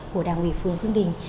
của đảng ủy phương thương đình